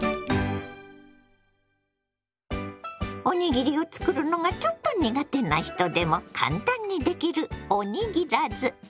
おにぎりを作るのがちょっと苦手な人でも簡単にできるおにぎらず。